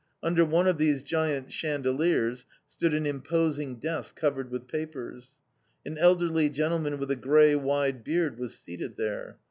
Under one of these giant chandeliers stood an imposing desk covered with papers. An elderly gentleman with a grey wide beard was seated there.